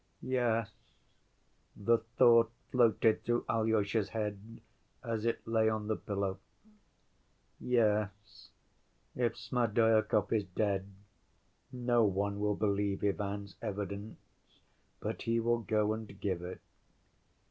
"Yes," the thought floated through Alyosha's head as it lay on the pillow, "yes, if Smerdyakov is dead, no one will believe Ivan's evidence; but he will go and give it."